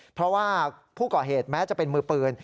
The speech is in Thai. เพราะว่าผู้ก่อเหตุแม้จะเป็นมือปืน